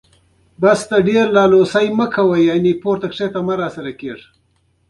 پښتو ته د پام ورکول د ژبې لپاره په بشپړه توګه حمایه ضروري ده.